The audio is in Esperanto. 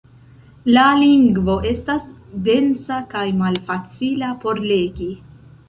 La lingvo estas densa kaj malfacila por legi.